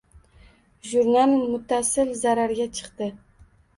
Jurnal muttasil zararga chiqdi.